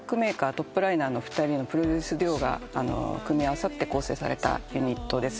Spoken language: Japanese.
トップライナーの２人のプロデュースデュオが組み合わさって構成されたユニットです。